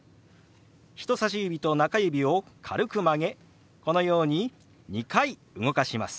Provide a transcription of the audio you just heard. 人さし指と中指を軽く曲げこのように２回動かします。